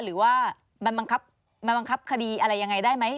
หรือว่ามันบังคับคดีอะไรอย่างไรได้ไหม